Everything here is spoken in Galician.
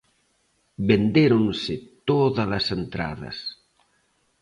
Vendéronse todas as entradas.